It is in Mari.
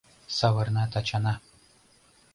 Савырна Тачана